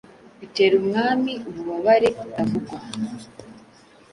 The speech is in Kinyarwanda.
Bitera umwami ububabare butavugwa